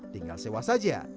tinggal sewa saja